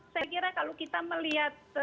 saya kira kalau kita melihat